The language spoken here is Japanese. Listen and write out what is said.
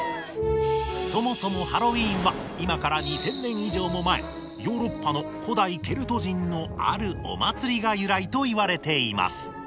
そもそもハロウィーンは今から２０００年以上も前ヨーロッパの古代ケルト人のあるお祭りが由来といわれています。